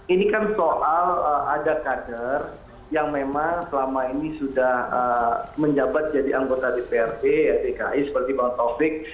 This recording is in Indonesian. ini kan soal ada kader yang memang selama ini sudah menjabat jadi anggota dprd dki seperti bang taufik